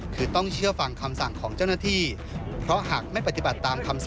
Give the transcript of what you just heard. คือต้องเชื่อฟังคำสั่งของเจ้าหน้าที่